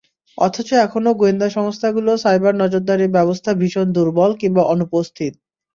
অথচ এখনো গোয়েন্দা সংস্থাগুলোর সাইবার নজরদারির ব্যবস্থা ভীষণ দুর্বল কিংবা অনুপস্থিত।